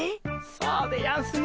そうでやんすね。